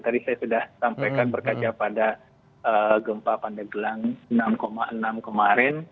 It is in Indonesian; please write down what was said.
tadi saya sudah sampaikan berkaca pada gempa pandeglang enam enam kemarin